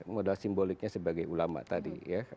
modal simboliknya sebagai ulama tadi ya